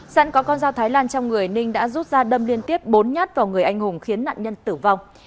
sẵn có con dao thái lan trong người ninh đã rút ra đâm liên tiếp bốn nhát vào người anh hùng